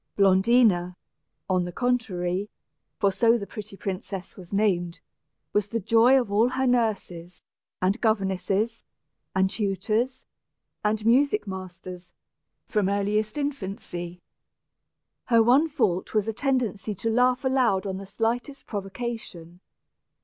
Blondina, on the contrary for so the pretty princess was named was the joy of all her nurses, and governesses, and tutors, and music masters, from earliest infancy. Her one fault was a tendency to laugh aloud on the slightest provocation.